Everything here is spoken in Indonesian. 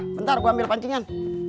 bentar gue ambil pancingan